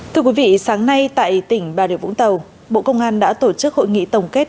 thưa quý vị sáng nay tại tỉnh bà điều vũng tàu bộ công an đã tổ chức hội nghị tổng kết